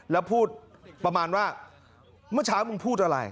แล้วพูดประมาณว่าเมื่อเช้ามึงพูดอะไร